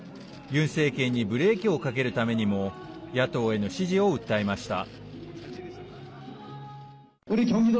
ユン政権にブレーキをかけるためにも野党への支持を訴えました。